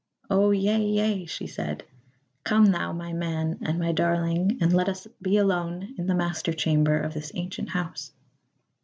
"O yea, yea," she said. "Come thou, my man and my darling and let us be alone in the master chamber of this ancient House."